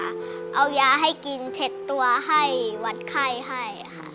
ทั้งหมดเลยค่ะเอายาให้กินเช็ดตัวให้วัดไข้ให้ค่ะ